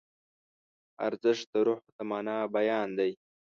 ارزښت د روح د مانا بیان دی.